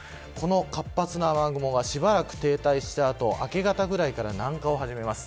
活発な雨雲がしばらく停滞した後明け方くらいから南下を始めます。